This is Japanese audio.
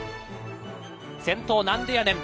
先頭ナンデヤネン